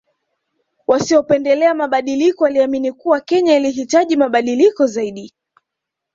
Wasiopendelea mabadiliko waliamini kuwa Kenya ilihitaji mabadiliko zaidi